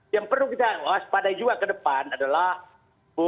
yang perlu kita waspadai juga ke depan adalah